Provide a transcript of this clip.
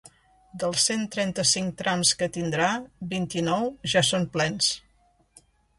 Dels cent trenta-cinc trams que tindrà, vint-i-nou ja són plens.